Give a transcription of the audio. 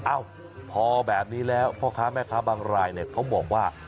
เอ้าพอแบบนี้แล้วพ่อค้าแม่ค้าบางรายเนี่ยเขาบอกว่า